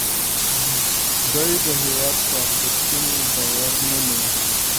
دی د هیواد په ارزښتونو باور نه لري